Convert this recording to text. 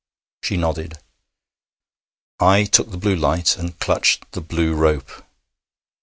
She nodded. I took the blue light and clutched the blue rope.